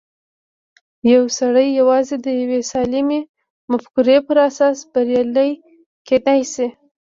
يو سړی يوازې د يوې سالمې مفکورې پر اساس بريالی کېدای شي.